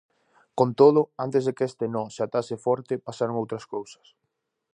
Con todo, antes de que este nó se atase forte, pasaron outras cousas.